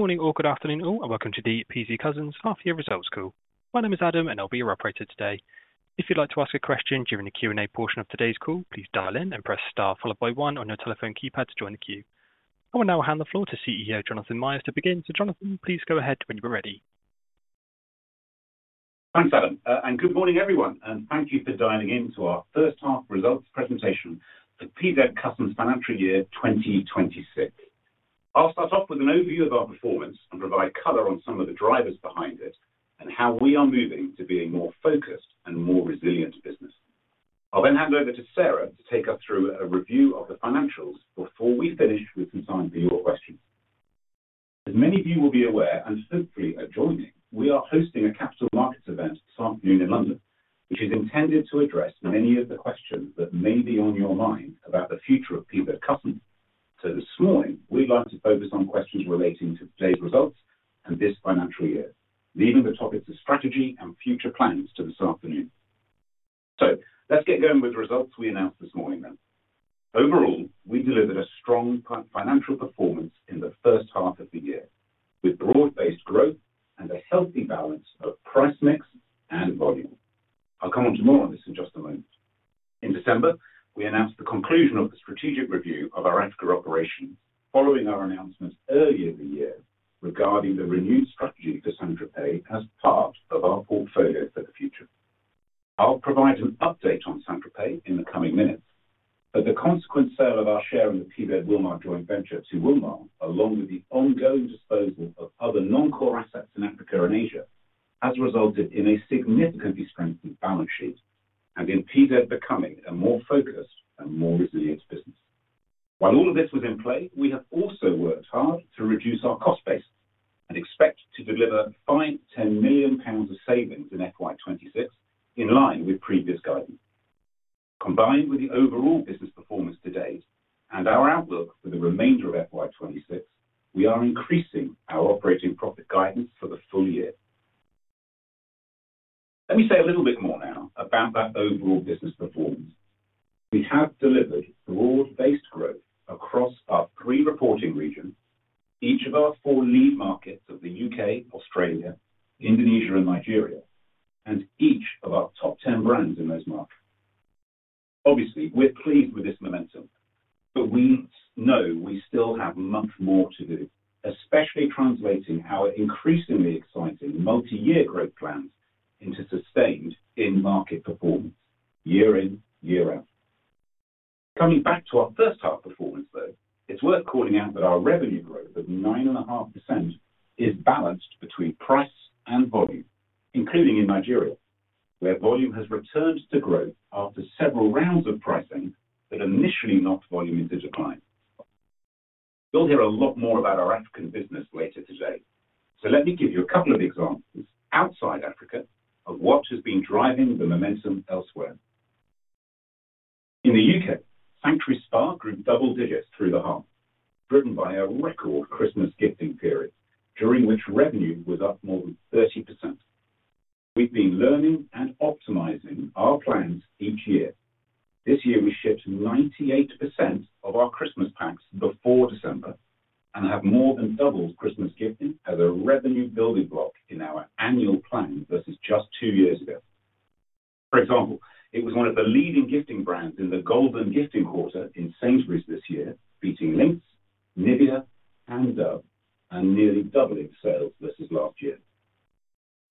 Good morning, or good afternoon, all, and welcome to the PZ Cussons Half-Year Results Call. My name is Adam, and I'll be your operator today. If you'd like to ask a question during the Q&A portion of today's call, please dial in and press * followed by one on your telephone keypad to join the queue. I will now hand the floor to CEO Jonathan Myers to begin, so Jonathan, please go ahead when you are ready. Thanks, Adam. Good morning, everyone, and thank you for dialing into our first half results presentation for PZ Cussons Financial Year 2026. I'll start off with an overview of our performance and provide color on some of the drivers behind it and how we are moving to be a more focused and more resilient business. I'll then hand over to Sarah to take us through a review of the financials before we finish with some time for your questions. As many of you will be aware and hopefully are joining, we are hosting a Capital Markets event this afternoon in London, which is intended to address many of the questions that may be on your mind about the future of PZ Cussons. So this morning, we'd like to focus on questions relating to today's results and this financial year, leaving the topics of strategy and future plans to this afternoon. So let's get going with the results we announced this morning, then. Overall, we delivered a strong financial performance in the first half of the year, with broad-based growth and a healthy balance of price mix and volume. I'll come on to more on this in just a moment. In December, we announced the conclusion of the strategic review of our Asia operations, following our announcements earlier this year regarding the renewed strategy for St. Tropez as part of our portfolio for the future. I'll provide an update on St. Tropez in the coming minutes, but the consequent sale of our share in the PZ Wilmar joint venture to Wilmar, along with the ongoing disposal of other non-core assets in Africa and Asia, has resulted in a significantly strengthened balance sheet and in PZ becoming a more focused and more resilient business. While all of this was in play, we have also worked hard to reduce our cost basis and expect to deliver 5 million-10 million pounds of savings in FY 2026 in line with previous guidance. Combined with the overall business performance to date and our outlook for the remainder of FY 2026, we are increasing our operating profit guidance for the full year. Let me say a little bit more now about that overall business performance. We have delivered broad-based growth across our three reporting regions, each of our four lead markets of the U.K., Australia, Indonesia, and Nigeria, and each of our top 10 brands in those markets. Obviously, we're pleased with this momentum, but we know we still have much more to do, especially translating our increasingly exciting multi-year growth plans into sustained in-market performance year in, year out. Coming back to our first half performance, though, it's worth calling out that our revenue growth of 9.5% is balanced between price and volume, including in Nigeria, where volume has returned to growth after several rounds of pricing that initially knocked volume into decline. We'll hear a lot more about our African business later today, so let me give you a couple of examples outside Africa of what has been driving the momentum elsewhere. In the U.K., Sanctuary Spa grew double digits through the half, driven by a record Christmas gifting period during which revenue was up more than 30%. We've been learning and optimizing our plans each year. This year, we shipped 98% of our Christmas packs before December and have more than doubled Christmas gifting as a revenue-building block in our annual plan versus just two years ago. For example, it was one of the leading gifting brands in the golden gifting quarter in Sainsbury's this year, beating Lynx, Nivea, and Dove, and nearly doubling sales versus last year.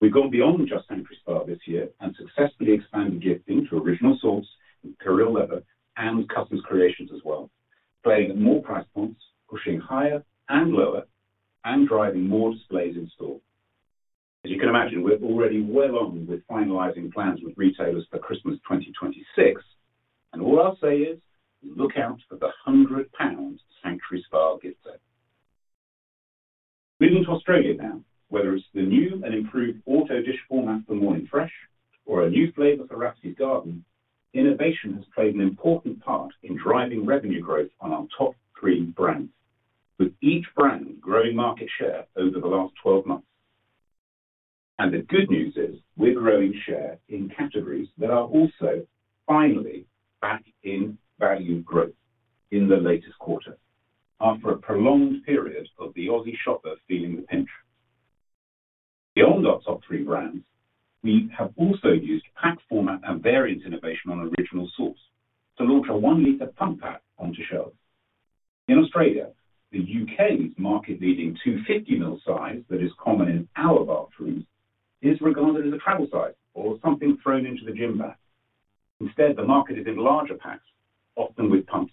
We've gone beyond just Sanctuary Spa this year and successfully expanded gifting to Original Source, Imperial Leather, and Cussons Creations as well, playing at more price points, pushing higher and lower, and driving more displays in store. As you can imagine, we're already well on with finalizing plans with retailers for Christmas 2026, and all I'll say is, look out for the 100 pounds Sanctuary Spa gift set. Moving to Australia now, whether it's the new and improved auto dish format for Morning Fresh or a new flavor for Rafferty's Garden, innovation has played an important part in driving revenue growth on our top three brands, with each brand growing market share over the last 12 months. The good news is, we're growing share in categories that are also finally back in value growth in the latest quarter, after a prolonged period of the Aussie shopper feeling the pinch. Beyond our top three brands, we have also used pack format and variant innovation on Original Source to launch a 1 L pump pack onto shelves. In Australia, the U.K.'s market-leading 250 ml size that is common in our bathrooms is regarded as a travel size or something thrown into the gym bag. Instead, the market is in larger packs, often with pumps.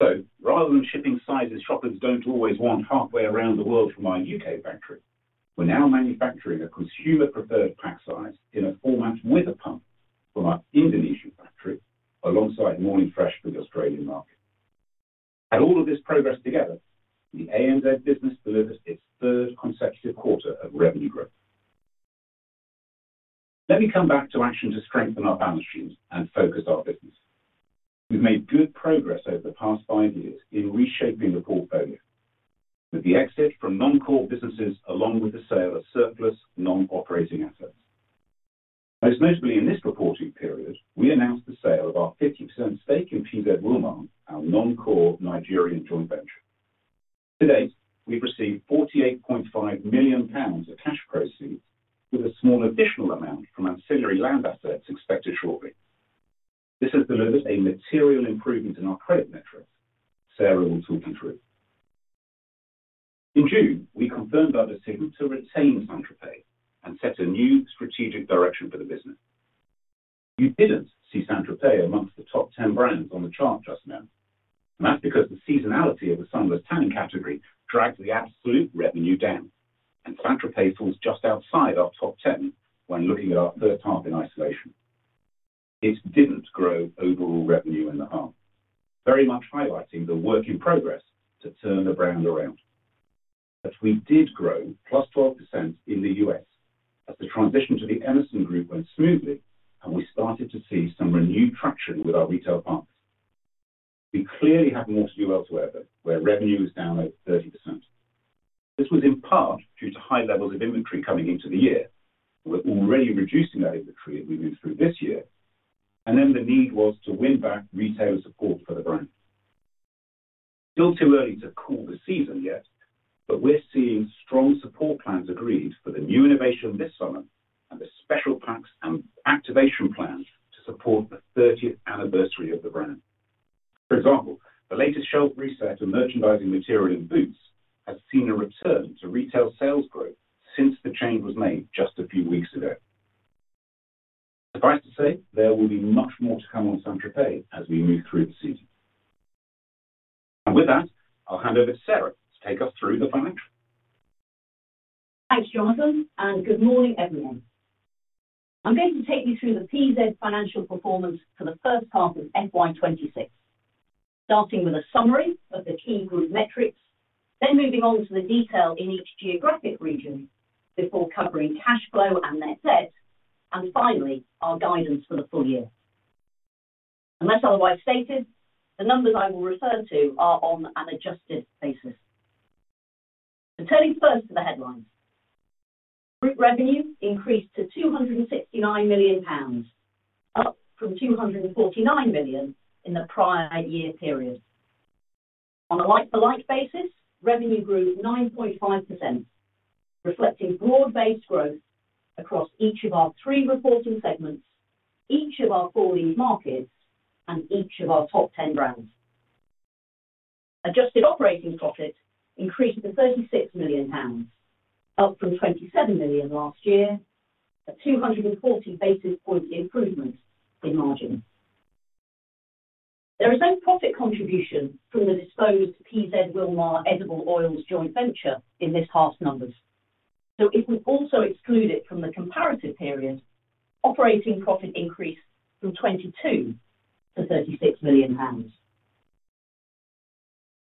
So rather than shipping sizes shoppers don't always want halfway around the world from our U.K. factory, we're now manufacturing a consumer-preferred pack size in a format with a pump from our Indonesian factory alongside Morning Fresh for the Australian market. Add all of this progress together, the Americas business delivered its third consecutive quarter of revenue growth. Let me come back to the actions to strengthen our balance sheet and focus our business. We've made good progress over the past five years in reshaping the portfolio, with the exit from non-core businesses along with the sale of surplus non-operating assets. Most notably, in this reporting period, we announced the sale of our 50% stake in PZ Wilmar, our non-core Nigerian joint venture. To date, we've received 48.5 million pounds of cash proceeds, with a small additional amount from ancillary land assets expected shortly. This has delivered a material improvement in our credit metrics. Sarah will talk you through. In June, we confirmed our decision to retain St. Tropez and set a new strategic direction for the business. You didn't see St. Tropez amongst the top 10 brands on the chart just now, and that's because the seasonality of the sunless tanning category dragged the absolute revenue down, and St. Tropez falls just outside our top 10 when looking at our first half in isolation. It didn't grow overall revenue in the half, very much highlighting the work in progress to turn the brand around. But we did grow +12% in the U.S. as the transition to the Emerson Group went smoothly, and we started to see some renewed traction with our retail partners. We clearly have more to do elsewhere, though, where revenue is down over 30%. This was in part due to high levels of inventory coming into the year. We're already reducing that inventory that we moved through this year, and then the need was to win back retailer support for the brand. Still too early to call the season yet, but we're seeing strong support plans agreed for the new innovation this summer and the special packs and activation plans to support the 30th anniversary of the brand. For example, the latest shelf reset of merchandising material in Boots has seen a return to retail sales growth since the change was made just a few weeks ago. Suffice to say, there will be much more to come on St. Tropez as we move through the season. With that, I'll hand over to Sarah to take us through the financials. Thanks, Jonathan, and good morning, everyone. I'm going to take you through the PZ financial performance for the first half of FY 2026, starting with a summary of the key group metrics, then moving on to the detail in each geographic region before covering cash flow and net debt, and finally our guidance for the full year. Unless otherwise stated, the numbers I will refer to are on an adjusted basis. But turning first to the headlines, group revenue increased to 269 million pounds, up from 249 million in the prior year period. On a like-for-like basis, revenue grew 9.5%, reflecting broad-based growth across each of our three reporting segments, each of our four lead markets, and each of our top 10 brands. Adjusted operating profit increased to 36 million pounds, up from 27 million last year, a 240 basis point improvement in margin. There is no profit contribution from the disposed PZ Wilmar Edible Oils joint venture in this half's numbers, so if we also exclude it from the comparative period, operating profit increased from 22 million-36 million pounds.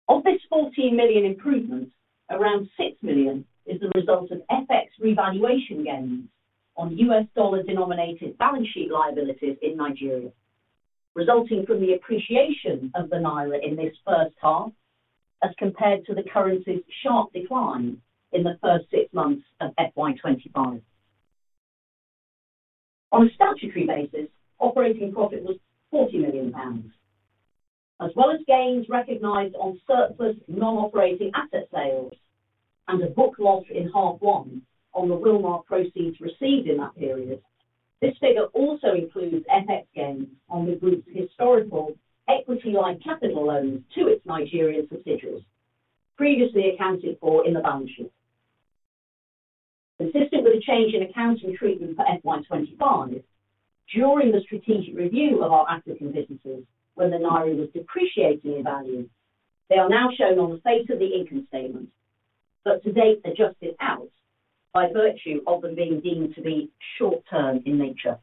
Of this 14 million improvement, around 6 million is the result of FX revaluation gains on U.S dollar-denominated balance sheet liabilities in Nigeria, resulting from the appreciation of the naira in this first half as compared to the currency's sharp decline in the first six months of FY 2025. On a statutory basis, operating profit was 40 million pounds, as well as gains recognised on surplus non-operating asset sales and a book loss in half one on the Wilmar proceeds received in that period. This figure also includes FX gains on the group's historical equity-like capital loans to its Nigerian subsidiaries, previously accounted for in the balance sheet. Consistent with a change in accounting treatment for FY 2025, during the strategic review of our African businesses when the naira was depreciating in value, they are now shown on the face of the income statement, but to date adjusted out by virtue of them being deemed to be short-term in nature.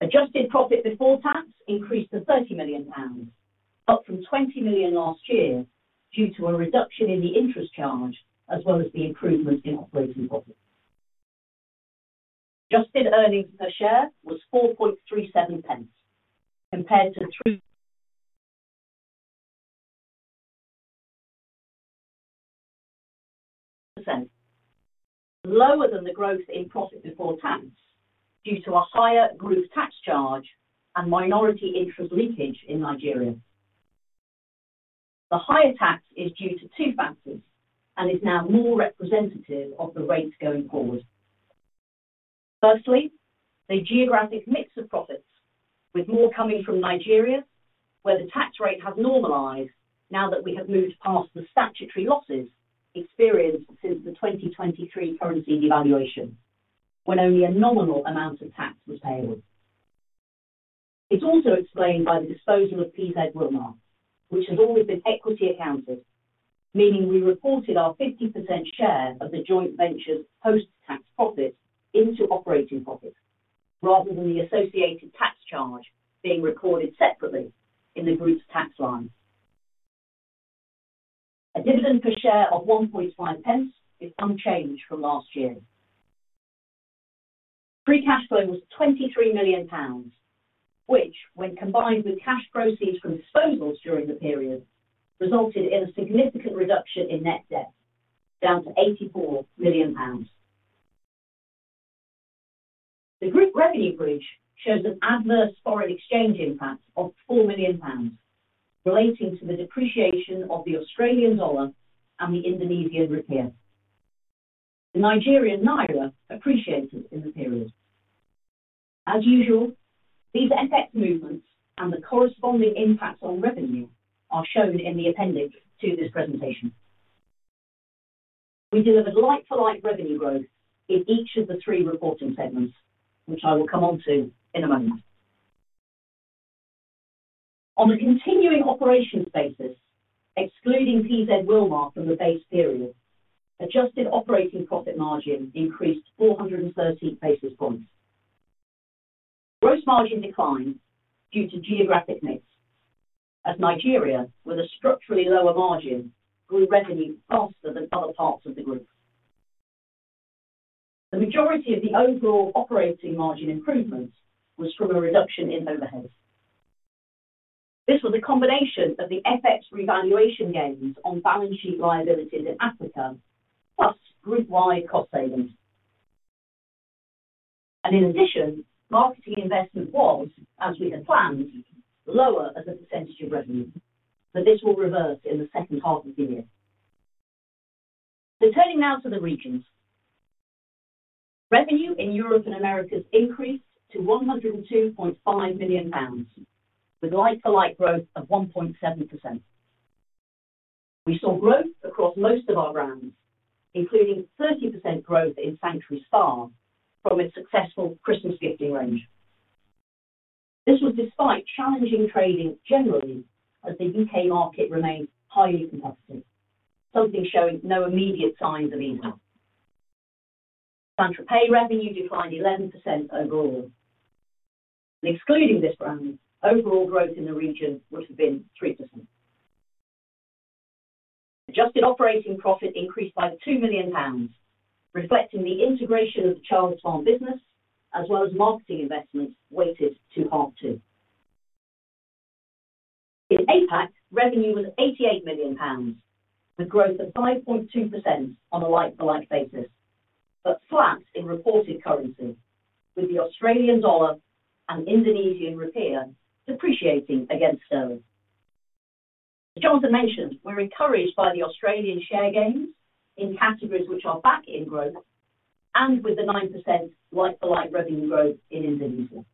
Adjusted profit before tax increased to 30 million pounds, up from 20 million last year due to a reduction in the interest charge as well as the improvement in operating profit. Adjusted earnings per share was 0.437 compared to 3%, lower than the growth in profit before tax due to a higher group tax charge and minority interest leakage in Nigeria. The higher tax is due to two factors and is now more representative of the rates going forward. Firstly, the geographic mix of profits, with more coming from Nigeria, where the tax rate has normalized now that we have moved past the statutory losses experienced since the 2023 currency devaluation, when only a nominal amount of tax was payable. It's also explained by the disposal of PZ Wilmar, which has always been equity accounted, meaning we reported our 50% share of the joint venture's post-tax profit into operating profit rather than the associated tax charge being recorded separately in the group's tax lines. A dividend per share of 0.05 is unchanged from last year. Free cash flow was 23 million pounds, which, when combined with cash proceeds from disposals during the period, resulted in a significant reduction in net debt down to 84 million pounds. The group revenue bridge shows an adverse foreign exchange impact of 4 million pounds relating to the depreciation of the Australian dollar and the Indonesian rupiah. The Nigerian naira appreciated in the period. As usual, these FX movements and the corresponding impacts on revenue are shown in the appendix to this presentation. We delivered like-for-like revenue growth in each of the three reporting segments, which I will come on to in a moment. On a continuing operations basis, excluding PZ Wilmar from the base period, adjusted operating profit margin increased 413 basis points. Gross margin declined due to geographic mix, as Nigeria, with a structurally lower margin, grew revenue faster than other parts of the group. The majority of the overall operating margin improvement was from a reduction in overheads. This was a combination of the FX revaluation gains on balance sheet liabilities in Africa plus group-wide cost savings. And in addition, marketing investment was, as we had planned, lower as a percentage of revenue, but this will reverse in the second half of the year. So turning now to the regions, revenue in Europe and Americas increased to 102.5 million pounds, with like-for-like growth of 1.7%. We saw growth across most of our brands, including 30% growth in Sanctuary Spa from its successful Christmas gifting range. This was despite challenging trading generally as the U.K. market remained highly competitive, something showing no immediate signs of easing. St. Tropez revenue declined 11% overall. And excluding this brand, overall growth in the region would have been 3%. Adjusted operating profit increased by 2 million pounds, reflecting the integration of the Childs Farm business as well as marketing investments weighted to half two. In APAC, revenue was 88 million pounds, with growth of 5.2% on a like-for-like basis but flat in reported currency, with the Australian dollar and Indonesian rupiah depreciating against those. As Jonathan mentioned, we're encouraged by the Australian share gains in categories which are back in growth and with the 9% like-for-like revenue growth in Indonesia.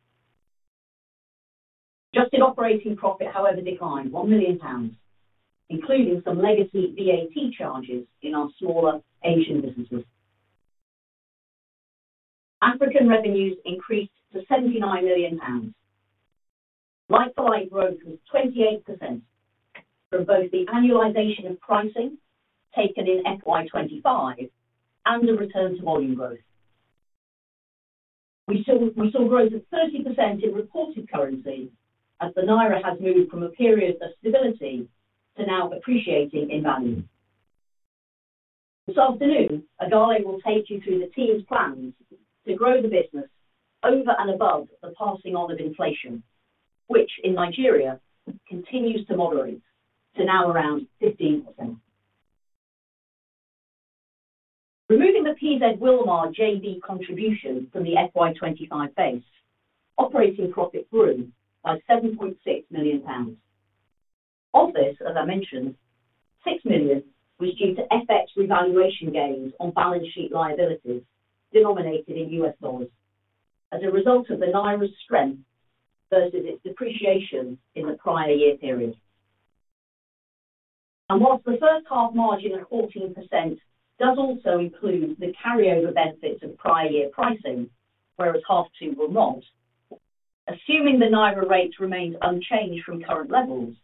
Adjusted operating profit, however, declined 1 million pounds, including some legacy VAT charges in our smaller Asian businesses. African revenues increased to 79 million pounds. Like-for-like growth was 28% from both the annualization of pricing taken in FY 2025 and the return to volume growth. We saw growth of 30% in reported currency as the naira has moved from a period of stability to now appreciating in value. This afternoon, Agile will take you through the team's plans to grow the business over and above the passing on of inflation, which in Nigeria continues to moderate to now around 15%. Removing the PZ Wilmar JV contribution from the FY 2025 base, operating profit grew by 7.6 million pounds. Of this, as I mentioned, 6 million was due to FX revaluation gains on balance sheet liabilities denominated in U.S. dollars as a result of the naira's strength versus its depreciation in the prior year period. While the first half margin of 14% does also include the carryover benefits of prior year pricing, whereas half two will not, assuming the naira rate remains unchanged from current levels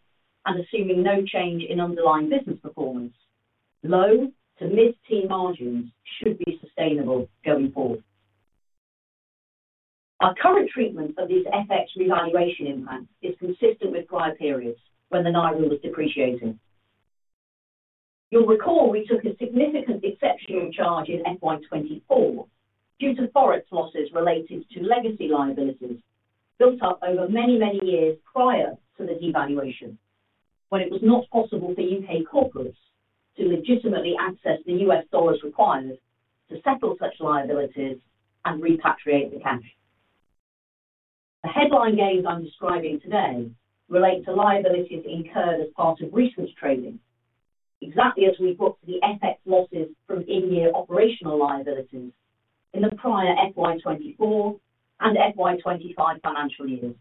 and assuming no change in underlying business performance, low- to mid-teens margins should be sustainable going forward. Our current treatment of these FX revaluation impacts is consistent with prior periods when the naira was depreciating. You'll recall we took a significant exceptional charge in FY 2024 due to forex losses related to legacy liabilities built up over many, many years prior to the devaluation, when it was not possible for U.K. corporates to legitimately access the U.S. dollars required to settle such liabilities and repatriate the cash. The headline gains I'm describing today relate to liabilities incurred as part of recent trading, exactly as we've got to the FX losses from in-year operational liabilities in the prior FY 2024 and FY 2025 financial years,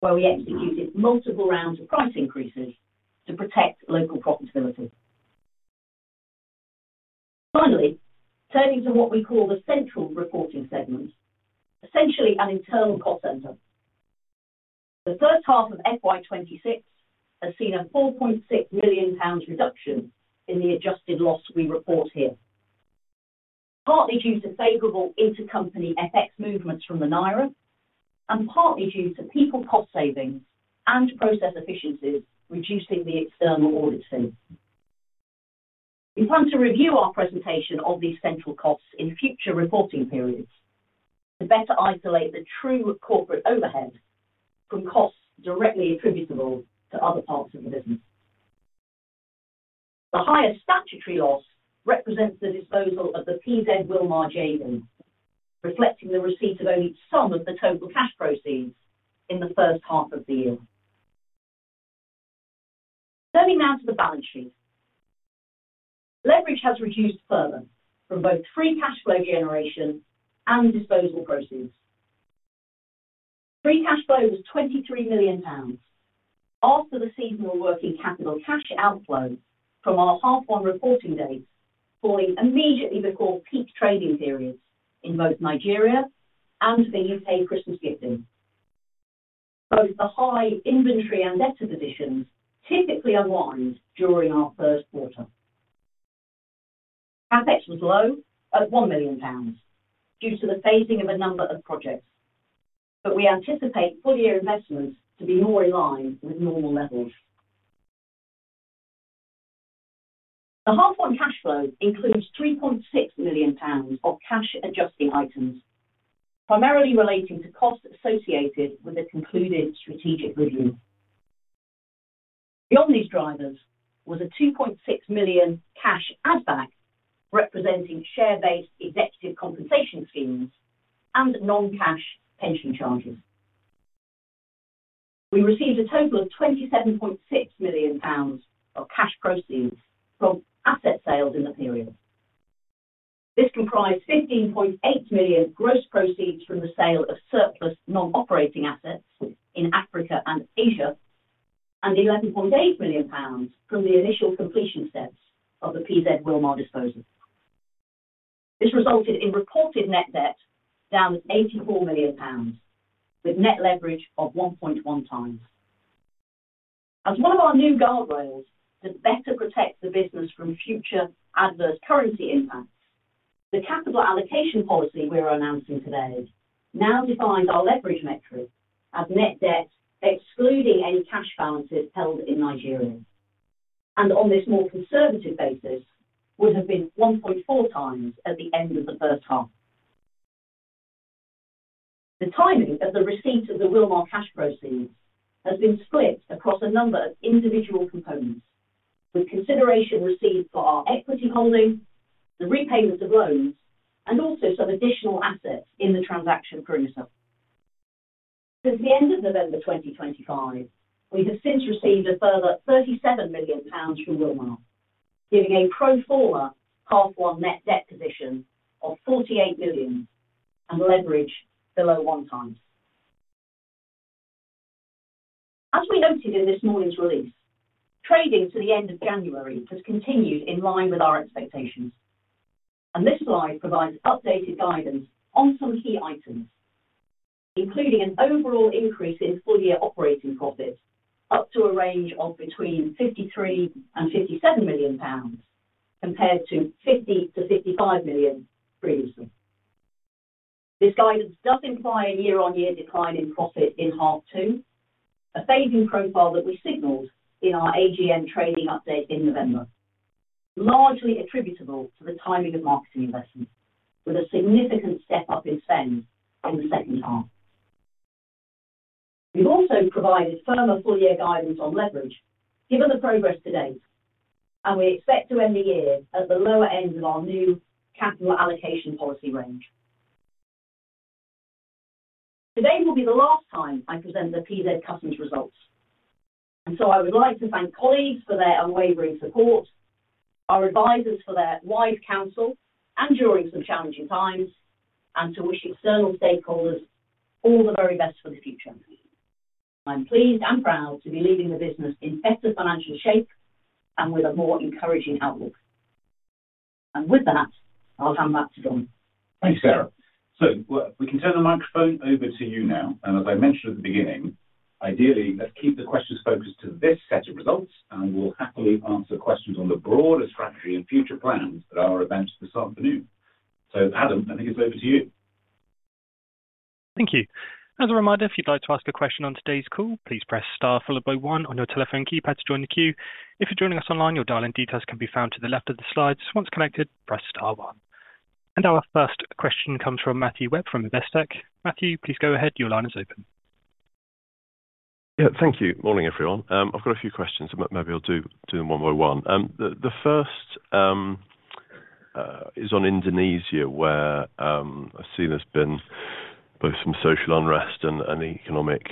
where we executed multiple rounds of price increases to protect local profitability. Finally, turning to what we call the central reporting segment, essentially an internal cost center, the first half of FY 2026 has seen a 4.6 million pounds reduction in the adjusted loss we report here, partly due to favorable intercompany FX movements from the naira and partly due to people cost savings and process efficiencies reducing the external audit fee. We plan to review our presentation of these central costs in future reporting periods to better isolate the true corporate overhead from costs directly attributable to other parts of the business. The higher statutory loss represents the disposal of the PZ Wilmar JV, reflecting the receipt of only some of the total cash proceeds in the first half of the year. Turning now to the balance sheet, leverage has reduced further from both free cash flow generation and disposal proceeds. Free cash flow was 23 million pounds after the seasonal working capital cash outflow from our half one reporting dates falling immediately before peak trading periods in both Nigeria and the U.K. Christmas gifting. Both the high inventory and debtor positions typically unwind during our first quarter. FX was low at 1 million pounds due to the phasing of a number of projects, but we anticipate full-year investments to be more in line with normal levels. The half one cash flow includes 3.6 million pounds of cash adjusting items, primarily relating to costs associated with the concluded strategic review. Beyond these drivers was a 2.6 million cash add-back representing share-based executive compensation schemes and non-cash pension charges. We received a total of 27.6 million pounds of cash proceeds from asset sales in the period. This comprised 15.8 million gross proceeds from the sale of surplus non-operating assets in Africa and Asia and 11.8 million pounds from the initial completion sets of the PZ Wilmar disposal. This resulted in reported net debt down at 84 million pounds, with net leverage of 1.1 times. As one of our new guardrails to better protect the business from future adverse currency impacts, the capital allocation policy we're announcing today now defines our leverage metric as net debt excluding any cash balances held in Nigeria, and on this more conservative basis, would have been 1.4 times at the end of the first half. The timing of the receipt of the Wilmar cash proceeds has been split across a number of individual components, with consideration received for our equity holding, the repayments of loans, and also some additional assets in the transaction perimeter. Since the end of November 2025, we have since received a further 37 million pounds from Wilmar, giving a pro forma half one net debt position of 48 million and leverage below one times. As we noted in this morning's release, trading to the end of January has continued in line with our expectations, and this slide provides updated guidance on some key items, including an overall increase in full-year operating profit up to a range of between 53 million and 57 million pounds compared to 50 million-55 million previously. This guidance does imply a year-on-year decline in profit in half two, a phasing profile that we signalled in our AGM trading update in November, largely attributable to the timing of marketing investments with a significant step up in spend in the second half. We've also provided firmer full-year guidance on leverage given the progress to date, and we expect to end the year at the lower end of our new capital allocation policy range. Today will be the last time I present the PZ Cussons results, and so I would like to thank colleagues for their unwavering support, our advisers for their wise counsel during some challenging times, and to wish external stakeholders all the very best for the future. I'm pleased and proud to be leading the business in better financial shape and with a more encouraging outlook. With that, I'll hand back to John. Thanks, Sarah. We can turn the microphone over to you now. As I mentioned at the beginning, ideally, let's keep the questions focused to this set of results, and we'll happily answer questions on the broader strategy and future plans that are events this afternoon. Adam, I think it's over to you. Thank you. As a reminder, if you'd like to ask a question on today's call, please press star followed by one on your telephone keypad to join the queue. If you're joining us online, your dial-in details can be found to the left of the slides. Once connected, press star one. And our first question comes from Matthew Webb from Investec. Matthew, please go ahead. Your line is open. Yeah, thank you. Morning, everyone. I've got a few questions, and maybe I'll do them one by one. The first is on Indonesia, where I see there's been both some social unrest and economic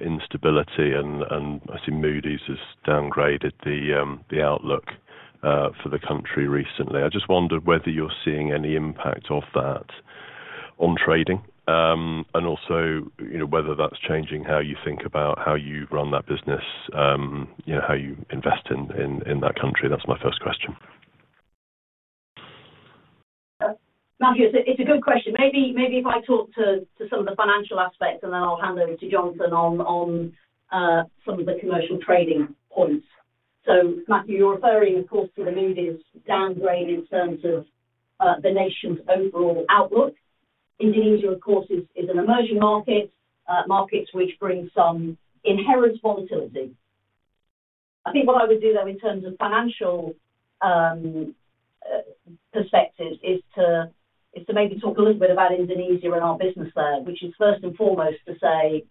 instability, and I see Moody's has downgraded the outlook for the country recently. I just wondered whether you're seeing any impact of that on trading and also whether that's changing how you think about how you run that business, how you invest in that country. That's my first question. Matthew, it's a good question. Maybe if I talk to some of the financial aspects, and then I'll hand over to Jonathan on some of the commercial trading points. So Matthew, you're referring, of course, to the Moody's downgrade in terms of the nation's overall outlook. Indonesia, of course, is an emerging market, markets which bring some inherent volatility. I think what I would do, though, in terms of financial perspectives, is to maybe talk a little bit about Indonesia and our business there, which is first and foremost to say,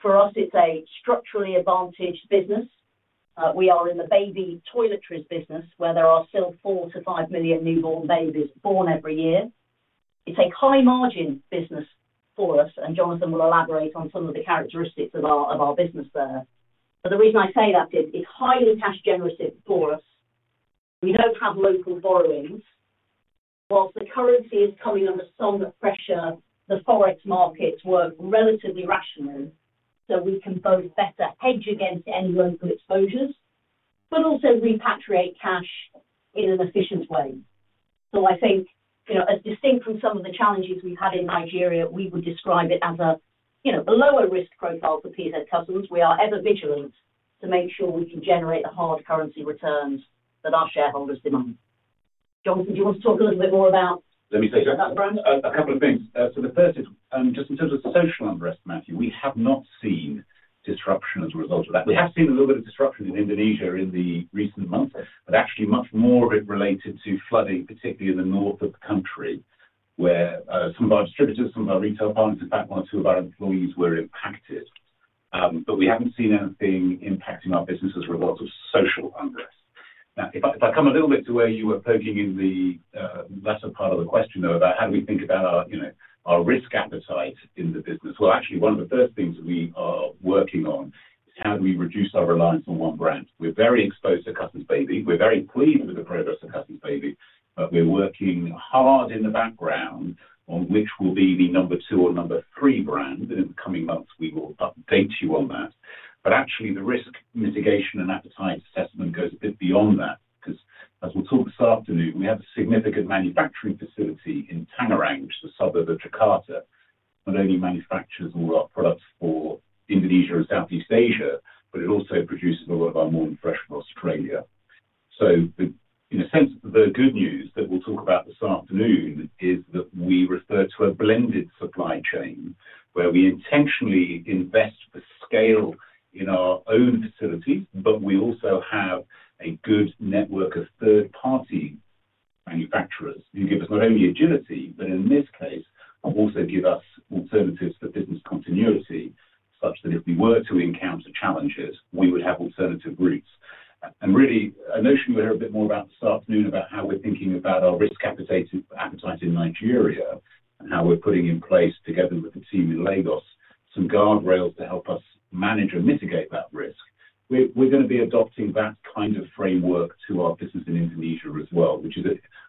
for us, it's a structurally advantaged business. We are in the baby toiletries business where there are still 4 million-5 million newborn babies born every year. It's a high-margin business for us, and Jonathan will elaborate on some of the characteristics of our business there. But the reason I say that is it's highly cash-generative for us. We don't have local borrowings. Whilst the currency is coming under some pressure, the forex markets work relatively rationally so we can both better hedge against any local exposures but also repatriate cash in an efficient way. So I think, as distinct from some of the challenges we've had in Nigeria, we would describe it as a lower-risk profile for PZ Cussons. We are ever vigilant to make sure we can generate the hard currency returns that our shareholders demand. Jonathan, do you want to talk a little bit more about? Let me say a couple of things. So the first is just in terms of the social unrest, Matthew, we have not seen disruption as a result of that. We have seen a little bit of disruption in Indonesia in the recent months, but actually much more of it related to flooding, particularly in the north of the country, where some of our distributors, some of our retail partners, in fact, one or two of our employees were impacted. But we haven't seen anything impacting our business as a result of social unrest. Now, if I come a little bit to where you were poking in the latter part of the question, though, about how do we think about our risk appetite in the business? Well, actually, one of the first things that we are working on is how do we reduce our reliance on one brand? We're very exposed to Cussons Baby. We're very pleased with the progress of Cussons Baby, but we're working hard in the background on which will be the number two or number three brand. In the coming months, we will update you on that. But actually, the risk mitigation and appetite assessment goes a bit beyond that because, as we'll talk this afternoon, we have a significant manufacturing facility in Tangerang, the suburb of Jakarta, not only manufactures all our products for Indonesia and Southeast Asia, but it also produces a lot of our Morning Fresh from Australia. So in a sense, the good news that we'll talk about this afternoon is that we refer to a blended supply chain where we intentionally invest for scale in our own facilities, but we also have a good network of third-party manufacturers who give us not only agility, but in this case, also give us alternatives for business continuity such that if we were to encounter challenges, we would have alternative routes. And really, I know she will hear a bit more about this afternoon about how we're thinking about our risk appetite in Nigeria and how we're putting in place, together with the team in Lagos, some guardrails to help us manage and mitigate that risk. We're going to be adopting that kind of framework to our business in Indonesia as well, which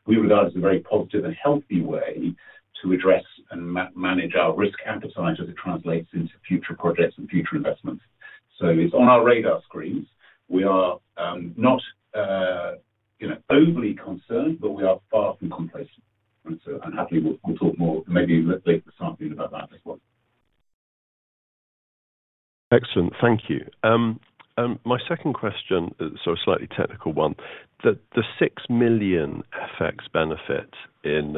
we regard as a very positive and healthy way to address and manage our risk appetite as it translates into future projects and future investments. So it's on our radar screens. We are not overly concerned, but we are far from complacent. And so unhappily, we'll talk more maybe later this afternoon about that as well. Excellent. Thank you. My second question, so a slightly technical one, the 6 million FX benefit in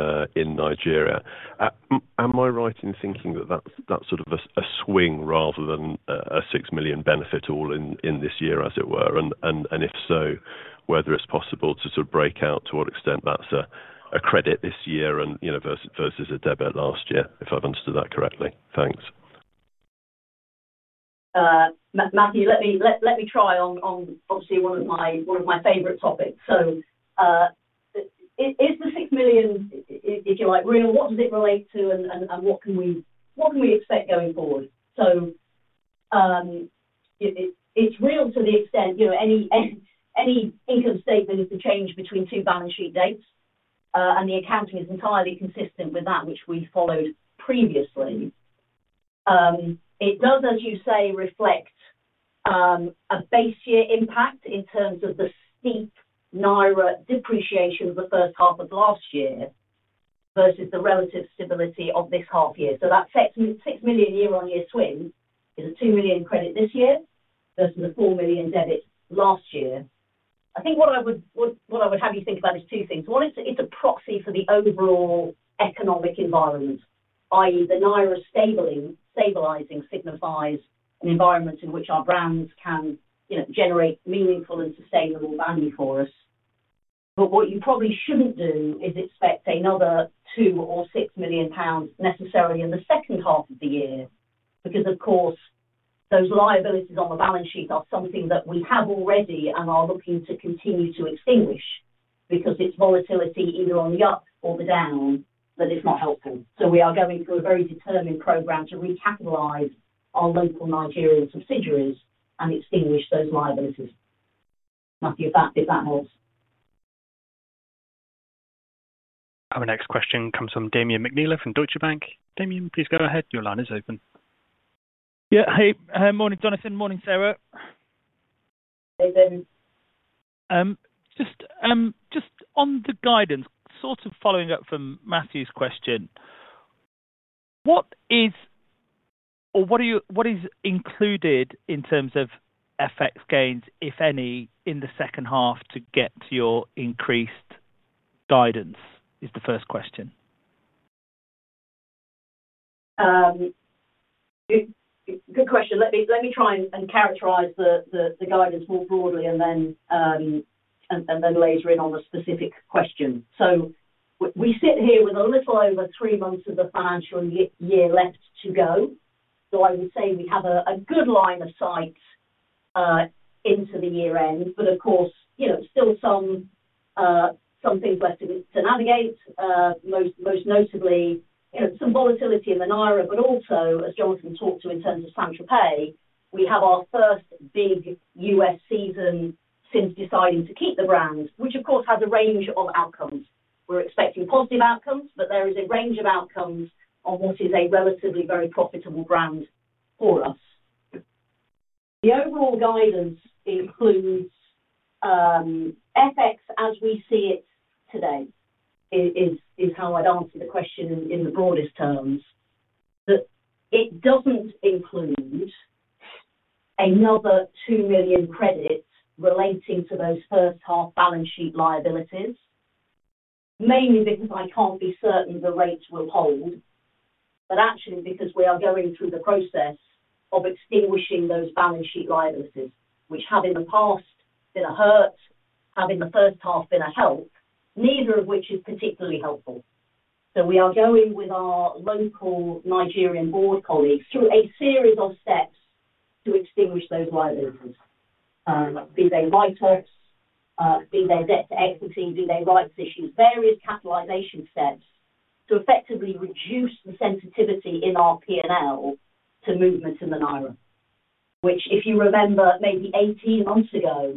Nigeria, am I right in thinking that that's sort of a swing rather than a 6 million benefit all in this year, as it were? And if so, whether it's possible to sort of break out to what extent that's a credit this year versus a debit last year, if I've understood that correctly. Thanks. Matthew, let me try on, obviously, one of my favorite topics. So is the 6 million, if you like, real? What does it relate to, and what can we expect going forward? So it's real to the extent any income statement is the change between two balance sheet dates, and the accounting is entirely consistent with that, which we followed previously. It does, as you say, reflect a base-year impact in terms of the steep Naira depreciation of the first half of last year versus the relative stability of this half year. So that 6 million year-on-year swing is a 2 million credit this year versus a 4 million debit last year. I think what I would have you think about is two things. One, it's a proxy for the overall economic environment, i.e., the Naira stabilising signifies an environment in which our brands can generate meaningful and sustainable value for us. But what you probably shouldn't do is expect another 2 million or 6 million pounds necessarily in the second half of the year because, of course, those liabilities on the balance sheet are something that we have already and are looking to continue to extinguish because it's volatility either on the up or the down that is not helpful. So we are going through a very determined program to recapitalise our local Nigerian subsidiaries and extinguish those liabilities. Matthew, if that helps. Our next question comes from Damian McNeela from Deutsche Bank. Damian, please go ahead. Your line is open. Yeah. Hey. Morning, Jonathan. Morning, Sarah. Hey, David. Just on the guidance, sort of following up from Matthew's question, what is included in terms of FX gains, if any, in the second half to get to your increased guidance? That is the first question. Good question. Let me try and characterize the guidance more broadly and then laser in on the specific question. So we sit here with a little over three months of the financial year left to go. So I would say we have a good line of sight into the year-end, but of course, still some things left to navigate, most notably some volatility in the Naira. But also, as Jonathan talked to in terms of St. Tropez, we have our first big U.S. season since deciding to keep the brand, which, of course, has a range of outcomes. We're expecting positive outcomes, but there is a range of outcomes on what is a relatively very profitable brand for us. The overall guidance includes FX as we see it today, is how I'd answer the question in the broadest terms, that it doesn't include another 2 million credits relating to those first-half balance sheet liabilities, mainly because I can't be certain the rate will hold, but actually because we are going through the process of extinguishing those balance sheet liabilities, which have in the past been a hurt, have in the first half been a help, neither of which is particularly helpful. So we are going with our local Nigerian board colleagues through a series of steps to extinguish those liabilities, be they write-offs, be they debt to equity, be they rights issues, various capitalization steps to effectively reduce the sensitivity in our P&L to movements in the naira, which, if you remember, maybe 18 months ago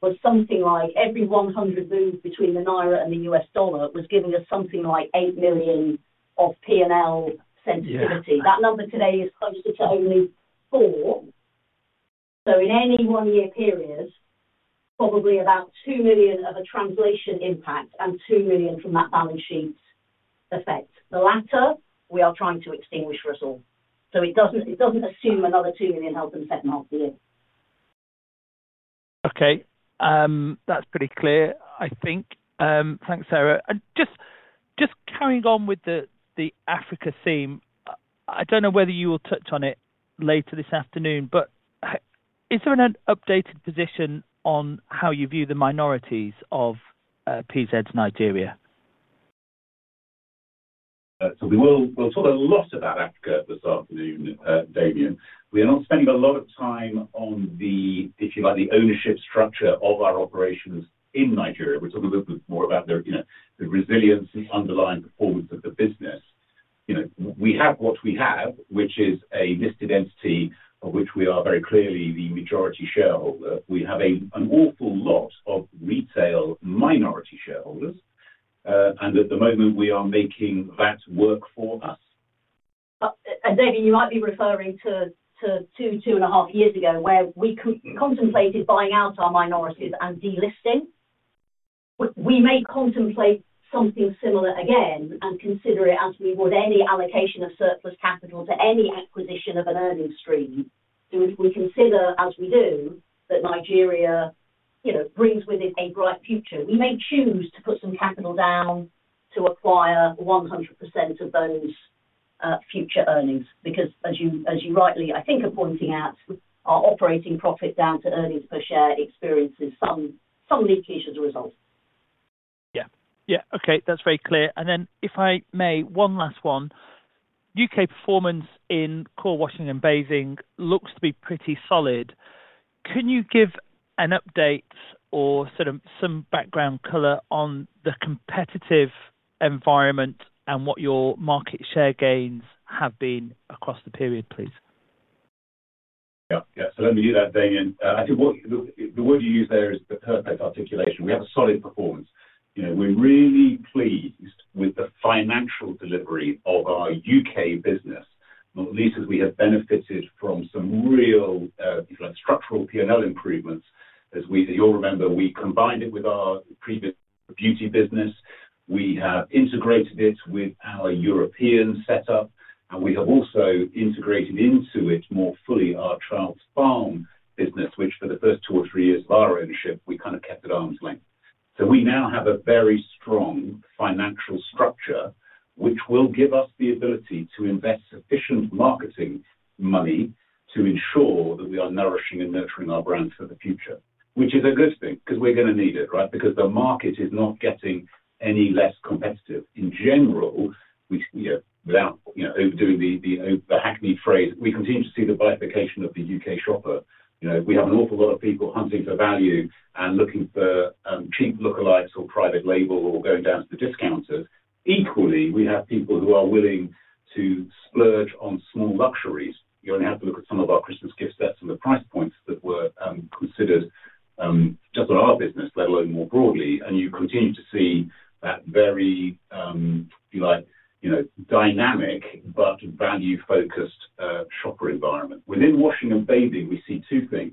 was something like every 100 moves between the naira and the U.S. dollar was giving us something like 8 million of P&L sensitivity. That number today is closer to only 4. So in any one-year period, probably about 2 million of a translation impact and 2 million from that balance sheet effect. The latter, we are trying to extinguish for us all. So it doesn't assume another 2 million help in the second half of the year. Okay. That's pretty clear, I think. Thanks, Sarah. And just carrying on with the Africa theme, I don't know whether you will touch on it later this afternoon, but is there an updated position on how you view the minorities of PZ's Nigeria? So we'll talk a lot about Africa this afternoon, Damian. We are not spending a lot of time on the, if you like, the ownership structure of our operations in Nigeria. We'll talk a little bit more about the resilience and underlying performance of the business. We have what we have, which is a listed entity of which we are very clearly the majority shareholder. We have an awful lot of retail minority shareholders, and at the moment, we are making that work for us. David, you might be referring to two, 2.5 years ago where we contemplated buying out our minorities and delisting. We may contemplate something similar again and consider it as we would any allocation of surplus capital to any acquisition of an earnings stream. So if we consider, as we do, that Nigeria brings with it a bright future, we may choose to put some capital down to acquire 100% of those future earnings because, as you rightly, I think, are pointing out, our operating profit down to earnings per share experiences some leakage as a result. Yeah. Yeah. Okay. That's very clear. And then if I may, one last one. U.K. performance in core washing and bathing looks to be pretty solid. Can you give an update or sort of some background color on the competitive environment and what your market share gains have been across the period, please? Yeah. Yeah. So let me do that, Damian. I think the word you used there is the perfect articulation. We have a solid performance. We're really pleased with the financial delivery of our U.K. business, not least as we have benefited from some real, if you like, structural P&L improvements. As you'll remember, we combined it with our previous beauty business. We have integrated it with our European setup, and we have also integrated into it more fully our Childs Farm business, which for the first two or three years of our ownership, we kind of kept at arm's length. So we now have a very strong financial structure, which will give us the ability to invest sufficient marketing money to ensure that we are nourishing and nurturing our brands for the future, which is a good thing because we're going to need it, right? Because the market is not getting any less competitive. In general, without overdoing the hackneyed phrase, we continue to see the bifurcation of the U.K. shopper. We have an awful lot of people hunting for value and looking for cheap lookalikes or private label or going down to the discounters. Equally, we have people who are willing to splurge on small luxuries. You only have to look at some of our Christmas gift sets and the price points that were considered just on our business, let alone more broadly. And you continue to see that very, if you like, dynamic but value-focused shopper environment. Within Cussons Baby, we see two things.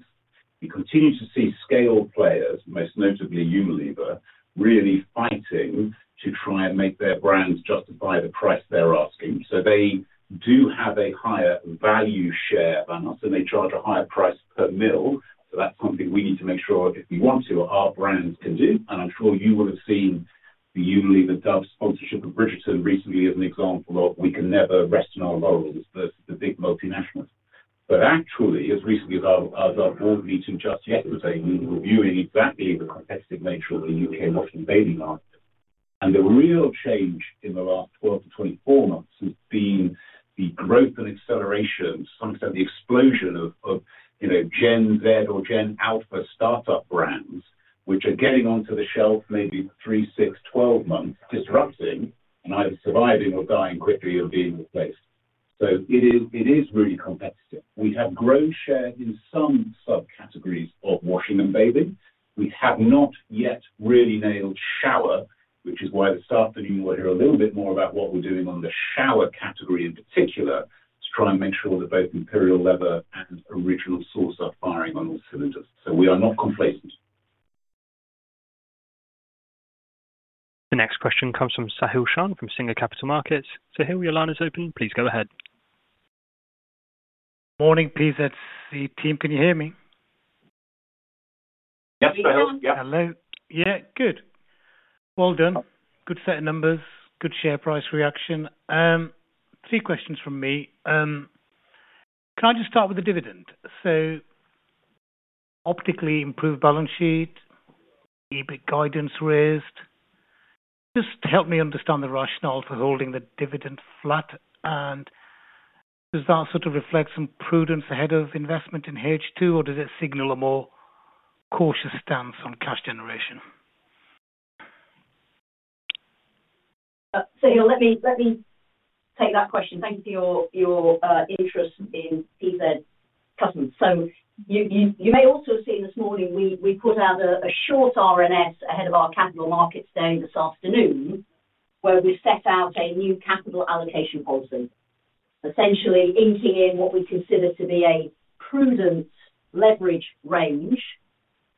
We continue to see scale players, most notably Unilever, really fighting to try and make their brands justify the price they're asking. So they do have a higher value share than us, and they charge a higher price per mil. So that's something we need to make sure if we want to, our brands can do. And I'm sure you will have seen the Unilever-Dove sponsorship of Bridgerton recently as an example of we can never rest on our laurels versus the big multinationals. But actually, as recently as our board meeting just yesterday, we were viewing exactly the competitive nature of the U.K. wash and baby market. And the real change in the last 12 months-24 months has been the growth and acceleration, to some extent, the explosion of Gen Z or Gen Alpha startup brands, which are getting onto the shelf maybe three, six, 12 months, disrupting and either surviving or dying quickly and being replaced. So it is really competitive. We have grown share in some subcategories of Cussons Baby. We have not yet really nailed shower, which is why this afternoon you will hear a little bit more about what we're doing on the shower category in particular to try and make sure that both Imperial Leather and Original Source are firing on all cylinders. So we are not complacent. The next question comes from Sahil Shan from Singer Capital Markets. Sahil, your line is open. Please go ahead. Morning, PZ team. Can you hear me? Yep. Sahil, yep. Hello. Yeah. Good. Well done. Good set of numbers. Good share price reaction. Three questions from me. Can I just start with the dividend? So optically improved balance sheet, EBIT guidance raised. Just help me understand the rationale for holding the dividend flat. And does that sort of reflect some prudence ahead of investment in H2, or does it signal a more cautious stance on cash generation? Sahil, let me take that question. Thank you for your interest in PZ Cussons. So you may also have seen this morning, we put out a short RNS ahead of our capital markets day this afternoon where we set out a new capital allocation policy, essentially inking in what we consider to be a prudent leverage range.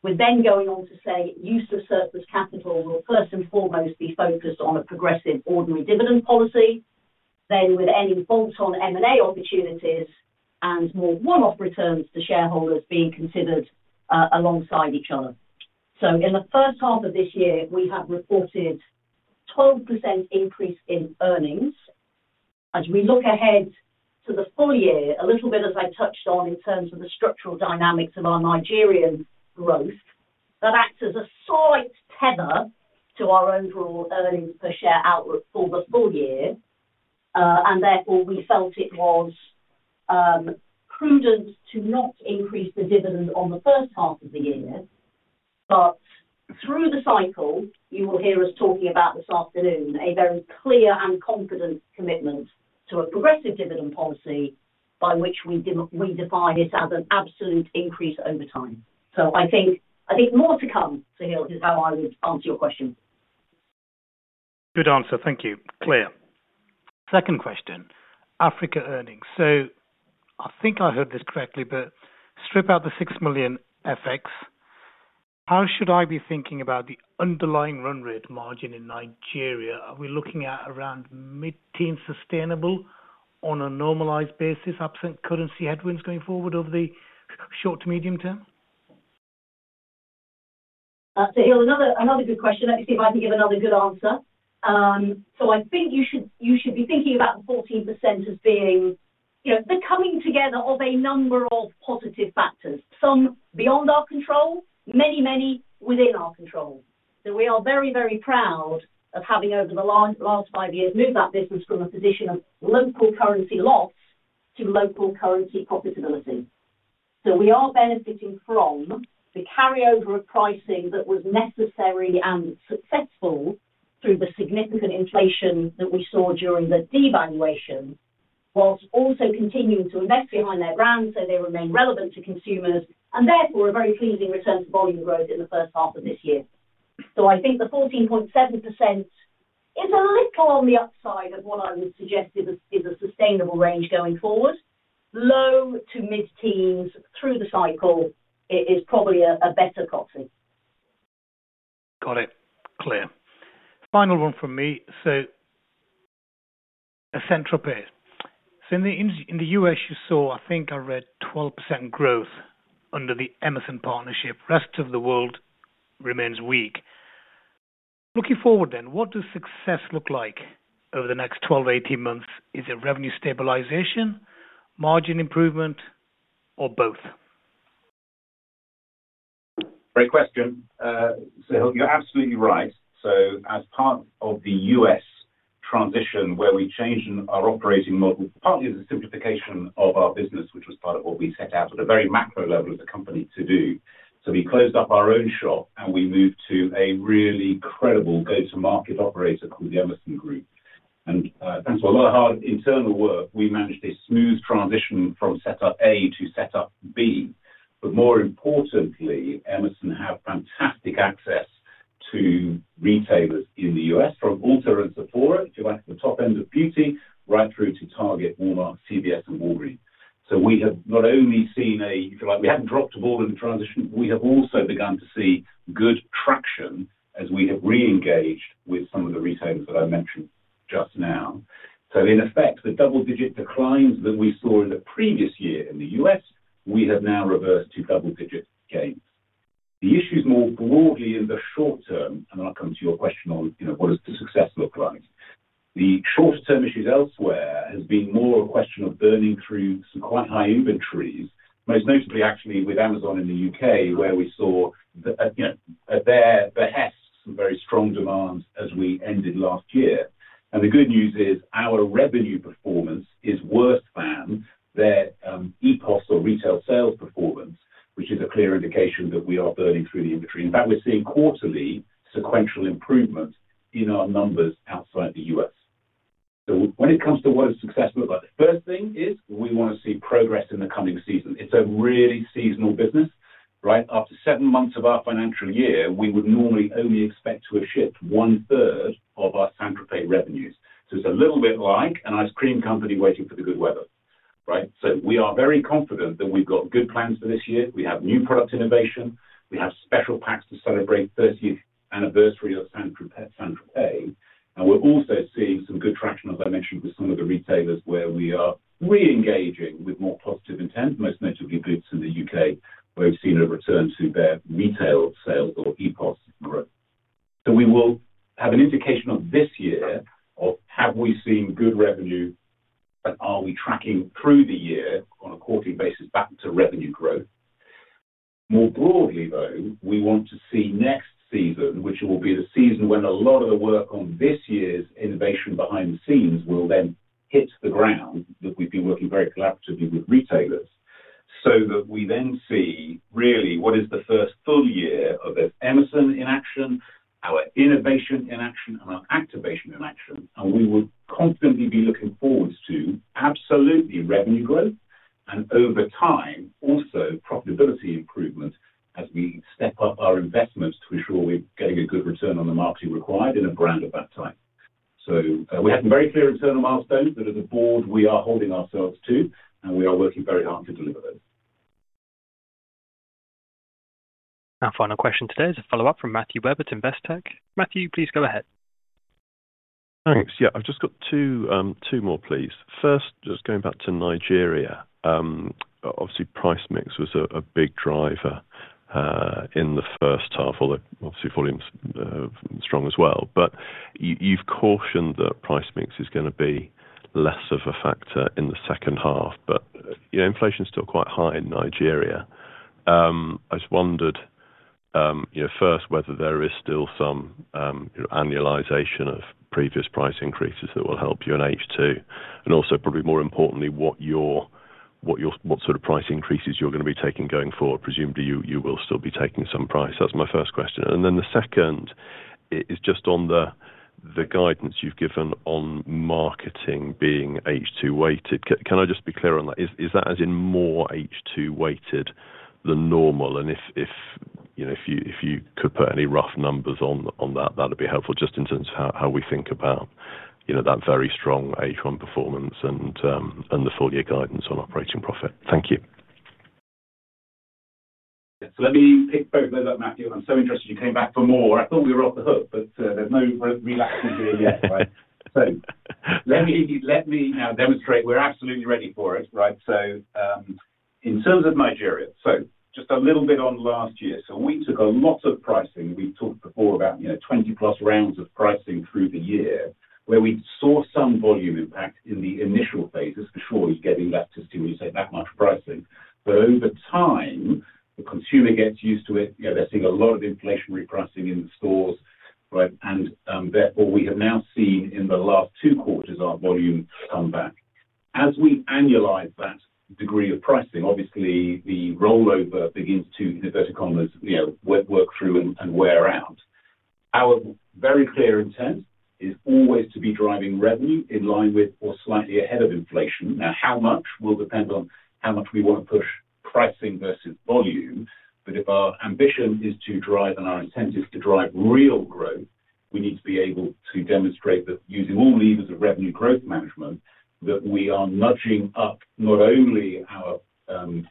We're then going on to say use of surplus capital will first and foremost be focused on a progressive ordinary dividend policy, then with any bolt-on M&A opportunities and more one-off returns to shareholders being considered alongside each other. So in the first half of this year, we have reported 12% increase in earnings. As we look ahead to the full year, a little bit as I touched on in terms of the structural dynamics of our Nigerian growth, that acts as a slight tether to our overall earnings per share outlook for the full year. Therefore, we felt it was prudent to not increase the dividend on the first half of the year. Through the cycle, you will hear us talking about this afternoon, a very clear and confident commitment to a progressive dividend policy by which we define it as an absolute increase over time. So I think more to come, Sahil, is how I would answer your question. Good answer. Thank you. Clear. Second question, Africa earnings. So I think I heard this correctly, but strip out the 6 million FX. How should I be thinking about the underlying run rate margin in Nigeria? Are we looking at around mid-teens sustainable on a normalized basis, absent currency headwinds going forward over the short to medium term? Sahil, another good question. Let me see if I can give another good answer. So I think you should be thinking about the 14% as being the coming together of a number of positive factors, some beyond our control, many, many within our control. So we are very, very proud of having, over the last five years, moved that business from a position of local currency loss to local currency profitability. So we are benefiting from the carryover of pricing that was necessary and successful through the significant inflation that we saw during the devaluation, while also continuing to invest behind their brands so they remain relevant to consumers and therefore a very pleasing return to volume growth in the first half of this year. So I think the 14.7% is a little on the upside of what I would suggest is a sustainable range going forward. Low to mid-teens through the cycle, it is probably a better proxy. Got it. Clear. Final one from me. So a central piece. So in the U.S., you saw, I think I read, 12% growth under the Emerson partnership. The rest of the world remains weak. Looking forward then, what does success look like over the next 12, 18 months? Is it revenue stabilization, margin improvement, or both? Great question. Sahil, you're absolutely right. So as part of the U.S. transition where we changed our operating model, partly as a simplification of our business, which was part of what we set out at a very macro level as a company to do, so we closed up our own shop and we moved to a really credible go-to-market operator called the Emerson Group. And thanks to a lot of hard internal work, we managed a smooth transition from setup A to setup B. But more importantly, Emerson have fantastic access to retailers in the U.S. from Ulta and Sephora, if you like, the top end of beauty, right through to Target, Walmart, CVS, and Walgreens. So we have not only seen a, if you like, we haven't dropped a ball in the transition. We have also begun to see good traction as we have re-engaged with some of the retailers that I mentioned just now. So in effect, the double-digit declines that we saw in the previous year in the U.S., we have now reversed to double-digit gains. The issue is more broadly in the short term, and then I'll come to your question on what does the success look like. The shorter-term issues elsewhere have been more a question of burning through some quite high inventories, most notably, actually, with Amazon in the U.K. where we saw at their behest some very strong demand as we ended last year. And the good news is our revenue performance is worse than their EPOS or retail sales performance, which is a clear indication that we are burning through the inventory. In fact, we're seeing quarterly sequential improvement in our numbers outside the U.S. So when it comes to what does success look like, the first thing is we want to see progress in the coming season. It's a really seasonal business, right? After seven months of our financial year, we would normally only expect to have shipped one-third of our St. Tropez revenues. So it's a little bit like an ice cream company waiting for the good weather, right? So we are very confident that we've got good plans for this year. We have new product innovation. We have special packs to celebrate 30th anniversary of St. Tropez. And we're also seeing some good traction, as I mentioned, with some of the retailers where we are re-engaging with more positive intent, most notably Boots in the U.K. where we've seen a return to their retail sales or EPOS growth. So we will have an indication of this year of have we seen good revenue, and are we tracking through the year on a quarterly basis back to revenue growth? More broadly, though, we want to see next season, which will be the season when a lot of the work on this year's innovation behind the scenes will then hit the ground that we've been working very collaboratively with retailers so that we then see, really, what is the first full year of both Emerson in action, our innovation in action, and our activation in action. We would confidently be looking forward to absolutely revenue growth and, over time, also profitability improvement as we step up our investments to ensure we're getting a good return on the marketing required in a brand of that type. We have some very clear internal milestones that, as a board, we are holding ourselves to, and we are working very hard to deliver those. Our final question today is a follow-up from Matthew Webb at Investec. Matthew, please go ahead. Thanks. Yeah. I've just got two more, please. First, just going back to Nigeria. Obviously, price mix was a big driver in the first half, although obviously, volume's strong as well. But you've cautioned that price mix is going to be less of a factor in the second half. But inflation's still quite high in Nigeria. I just wondered, first, whether there is still some annualization of previous price increases that will help you in H2. And also, probably more importantly, what sort of price increases you're going to be taking going forward. Presumably, you will still be taking some price. That's my first question. And then the second is just on the guidance you've given on marketing being H2-weighted. Can I just be clear on that? Is that as in more H2-weighted than normal? If you could put any rough numbers on that, that would be helpful just in terms of how we think about that very strong H1 performance and the full-year guidance on operating profit. Thank you. Yeah. So let me pick both those up, Matthew. I'm so interested. You came back for more. I thought we were off the hook, but there's no relaxing here yet, right? So let me now demonstrate. We're absolutely ready for it, right? So in terms of Nigeria, so just a little bit on last year. So we took a lot of pricing. We've talked before about 20+ rounds of pricing through the year where we saw some volume impact in the initial phases. For sure, you're getting left to see when you say that much pricing. But over time, the consumer gets used to it. They're seeing a lot of inflationary pricing in the stores, right? And therefore, we have now seen in the last two quarters our volume come back. As we annualised that degree of pricing, obviously, the rollover begins to, in inverted commas, work through and wear out. Our very clear intent is always to be driving revenue in line with or slightly ahead of inflation. Now, how much will depend on how much we want to push pricing versus volume. But if our ambition is to drive and our intent is to drive real growth, we need to be able to demonstrate that, using all levers of Revenue Growth Management, that we are nudging up not only our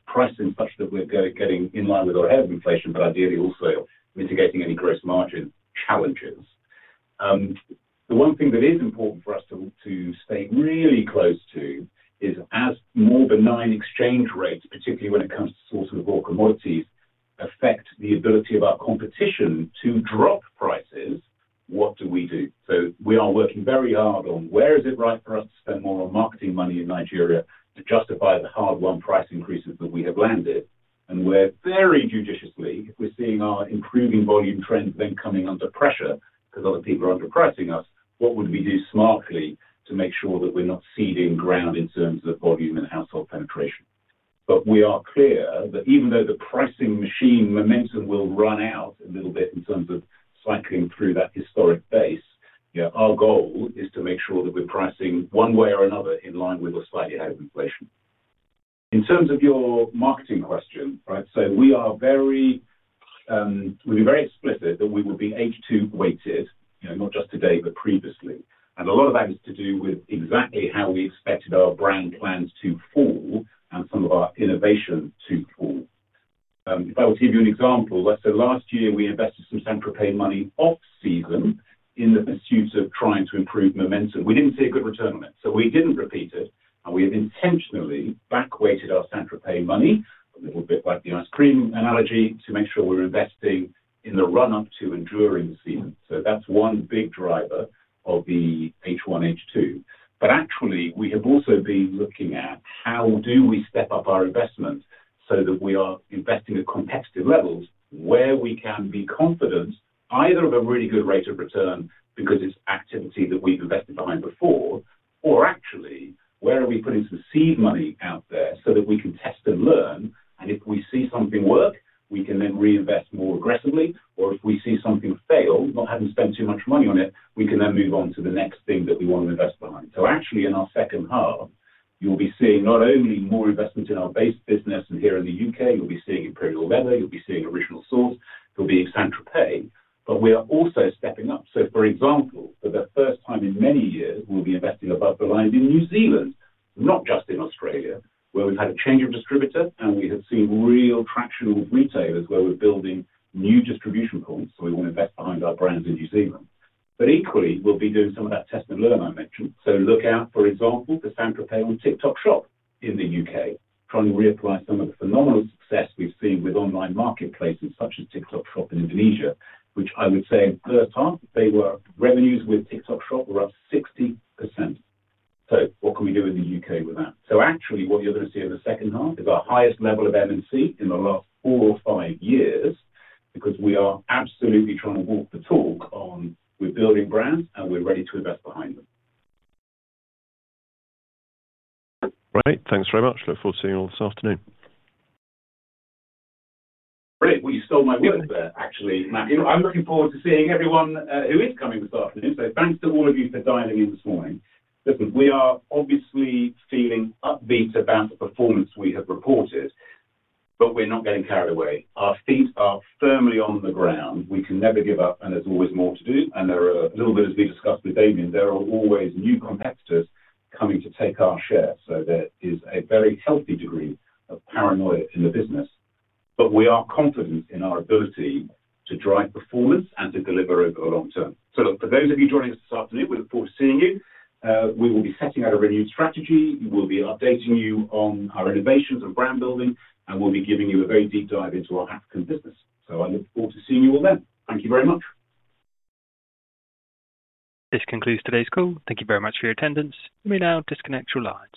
pricing such that we're getting in line with or ahead of inflation, but ideally also mitigating any gross margin challenges. The one thing that is important for us to stay really close to is, as more benign exchange rates, particularly when it comes to sources of raw commodities, affect the ability of our competition to drop prices, what do we do? So we are working very hard on where is it right for us to spend more on marketing money in Nigeria to justify the hard-won price increases that we have landed. And we're very judiciously, if we're seeing our improving volume trends then coming under pressure because other people are underpricing us, what would we do smartly to make sure that we're not ceding ground in terms of volume and household penetration? But we are clear that even though the pricing machine momentum will run out a little bit in terms of cycling through that historic base, our goal is to make sure that we're pricing one way or another in line with or slightly ahead of inflation. In terms of your marketing question, right, so we'll be very explicit that we will be H2-weighted, not just today but previously. And a lot of that is to do with exactly how we expected our brand plans to fall and some of our innovation to fall. If I would give you an example, so last year, we invested some Sanctuary money off-season in the pursuit of trying to improve momentum. We didn't see a good return on it. So we didn't repeat it. We have intentionally backweighted our Sanctuary money, a little bit like the ice cream analogy, to make sure we're investing in the run-up to and during the season. So that's one big driver of the H1, H2. But actually, we have also been looking at how do we step up our investment so that we are investing at competitive levels where we can be confident either of a really good rate of return because it's activity that we've invested behind before or, actually, where are we putting some seed money out there so that we can test and learn? And if we see something work, we can then reinvest more aggressively. Or if we see something fail, not having spent too much money on it, we can then move on to the next thing that we want to invest behind. So actually, in our second half, you'll be seeing not only more investment in our base business and here in the U.K., you'll be seeing Imperial Leather, you'll be seeing Original Source, you'll be seeing Sanctuary. But we are also stepping up. So for example, for the first time in many years, we'll be investing above the line in New Zealand, not just in Australia, where we've had a change of distributor, and we have seen real traction with retailers where we're building new distribution points. So we want to invest behind our brands in New Zealand. But equally, we'll be doing some of that test and learn I mentioned. So look out, for example, for Sanctuary Spa on TikTok Shop in the U.K., trying to reapply some of the phenomenal success we've seen with online marketplaces such as TikTok Shop in Indonesia, which I would say, in the first half, they were revenues with TikTok Shop were up 60%. So what can we do in the U.K. with that? So actually, what you're going to see in the second half is our highest level of M&C in the last four or five years because we are absolutely trying to walk the talk on we're building brands, and we're ready to invest behind them. Right. Thanks very much. Look forward to seeing you all this afternoon. Brilliant. Well, you stole my words there, actually, Matthew. I'm looking forward to seeing everyone who is coming this afternoon. Thanks to all of you for dialing in this morning. Listen, we are obviously feeling upbeat about the performance we have reported, but we're not getting carried away. Our feet are firmly on the ground. We can never give up. There's always more to do. There are a little bit, as we discussed with Damian, always new competitors coming to take our share. There is a very healthy degree of paranoia in the business. But we are confident in our ability to drive performance and to deliver over the long term. Look, for those of you joining us this afternoon, we look forward to seeing you. We will be setting out a renewed strategy. We'll be updating you on our innovations and brand building. We'll be giving you a very deep dive into our African business. I look forward to seeing you all then. Thank you very much. This concludes today's call. Thank you very much for your attendance. You may now disconnect your lines.